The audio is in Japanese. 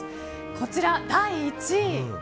こちら、第１位。